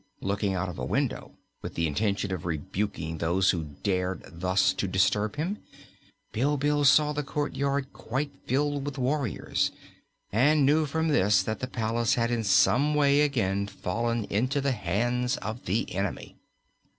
Looking out of a window, with the intention of rebuking those who dared thus to disturb him, Bilbil saw the courtyard quite filled with warriors and knew from this that the palace had in some way again fallen into the hands of the enemy.